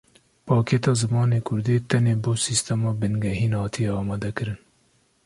Pakêta zimanê kurdî tenê bo sîstema bingehîn hatiye amadekirin.